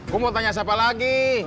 kamu mau tanya siapa lagi